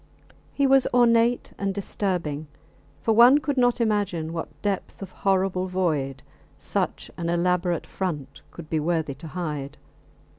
He was ornate and disturbing, for one could not imagine what depth of horrible void such an elaborate front could be worthy to hide.